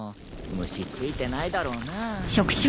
虫ついてないだろうな。